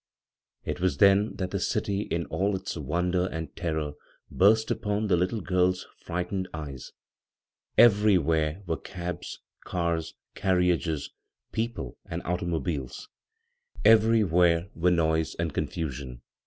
It was then that the city in all its wonder and terror burst upon the little girl's fright ened eyes. Everywhere were cabs, cars, car riages, people, and automobiles ; everywhere »3 bvGoog[c CROSS CURRENTS were noise and confusion.